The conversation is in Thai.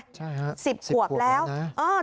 ใช่ครับ๑๐ขวดแล้วนะฮะ